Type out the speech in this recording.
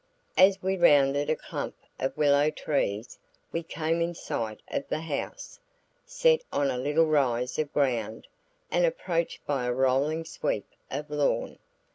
As we rounded a clump of willow trees we came in sight of the house, set on a little rise of ground and approached by a rolling sweep of lawn.